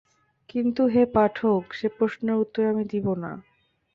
কিন্তু হে পাঠক, সে প্রশ্নের উত্তর আমি দিব না।